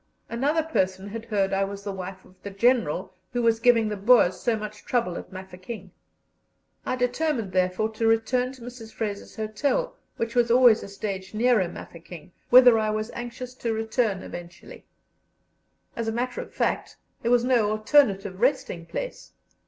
Another person had heard I was the wife of the General who was giving the Boers so much trouble at Mafeking. I determined, therefore, to return to Mrs. Fraser's hotel, which was always a stage nearer Mafeking, whither I was anxious to return eventually. As a matter of fact, there was no alternative resting place.